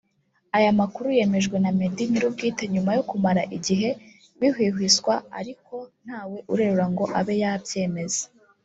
Aya makuru yemejwe na Meddy nyir'ubwite nyuma yo kumara igihe bihwihwiswa ariko ntawe urerura ngo abe yabyemeza